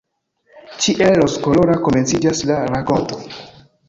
Tiel rozkolora komenciĝas la rakonto.